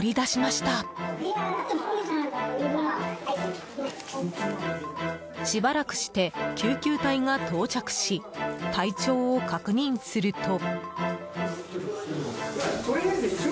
しばらくして、救急隊が到着し体調を確認すると。